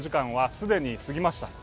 既に過ぎました。